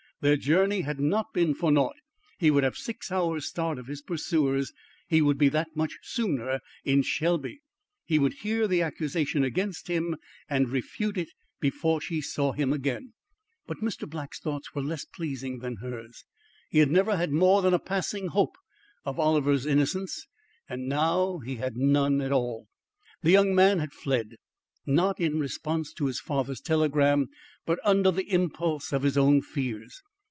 Their journey had not been for naught. He would have six hours' start of his pursuers; he would be that much sooner in Shelby; he would hear the accusation against him and refute it before she saw him again. But Mr. Black's thoughts were less pleasing than hers. He had never had more than a passing hope of Oliver's innocence, and now he had none at all. The young man had fled, not in response to his father's telegram, but under the impulse of his own fears.